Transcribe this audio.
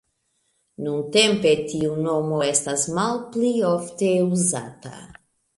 Nuntempe tiu nomo estas malpli ofte uzata.